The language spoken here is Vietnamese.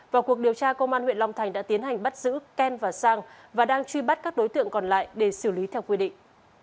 vào cuộc điều tra công an huyện long thành đã tiến hành bắt giữ ken và sang và đang truy bắt các đối tượng còn lại để xử lý theo quy định